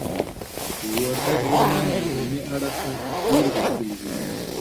وردګ ځوانان له علمی اړخ دير غښتلي دي.